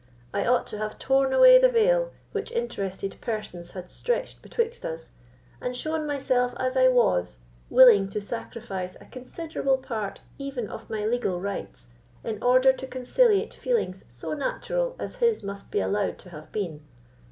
I ought to have torn away the veil, which interested persons had stretched betwixt us, and shown myself as I was, willing to sacrifice a considerable part even of my legal rights, in order to conciliate feelings so natural as his must be allowed to have been.